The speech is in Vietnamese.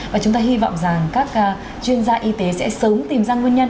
và chúng ta hy vọng rằng các chuyên gia y tế sẽ sớm tìm ra nguyên nhân